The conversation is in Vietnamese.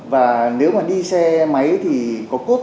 và nếu mà đi xe máy thì có cốt